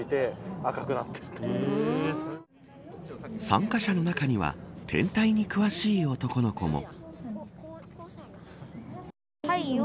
参加者の中には天体に詳しい男の子も。